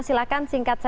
silakan singkat saja